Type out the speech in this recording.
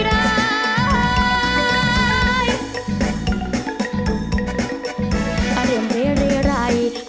เรียบร้ายร้าย